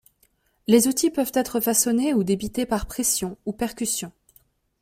Les outils peuvent être façonnés ou débités par pression ou percussion.